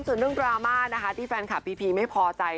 ส่วนเรื่องดราม่านะคะที่แฟนคลับพีพีไม่พอใจ